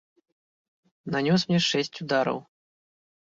Нанёс мне шэсць удараў.